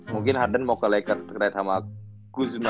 mungkin harden mau ke lakers terkena sama kuzma